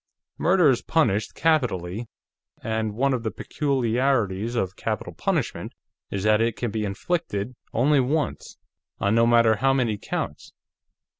Murder is punished capitally, and one of the peculiarities of capital punishment is that it can be inflicted only once, on no matter how many counts.